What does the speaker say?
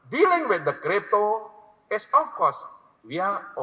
promotasi di asean